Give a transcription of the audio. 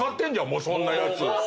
もうそんなやつ。